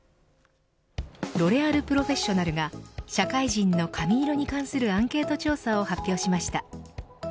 ロレアルプロフェッショナルが社会人の髪色に関するアンケート調査を発表しました。